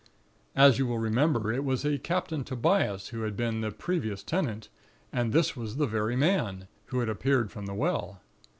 "As you will remember, it was a Captain Tobias who had been the previous tenant; and this was the very man, who had appeared from the well.